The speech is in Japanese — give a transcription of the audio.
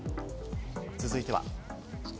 続いては。